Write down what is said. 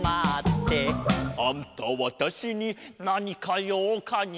「あんたわたしになにかようかに？